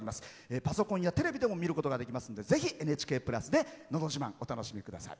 パソコンやテレビでも見ることができますのでぜひ「ＮＨＫプラス」で「のど自慢」お楽しみください。